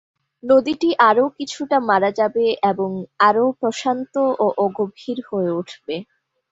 নদীটি আরও কিছুটা মারা যাবে এবং আরও প্রশান্ত ও অগভীর হয়ে উঠবে।